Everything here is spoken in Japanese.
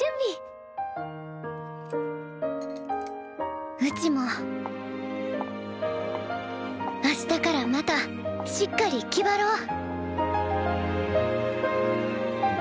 心の声うちもあしたからまたしっかり気張ろう。